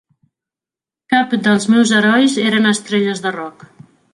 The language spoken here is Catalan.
Cap dels meus herois eren estrelles de rock.